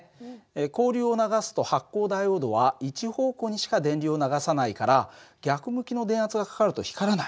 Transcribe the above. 交流を流すと発光ダイオードは一方向にしか電流を流さないから逆向きの電圧がかかると光らない。